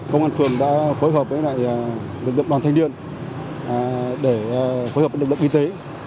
công an phường đã phối hợp với lực lượng đoàn thanh niên để phối hợp với lực lượng y tế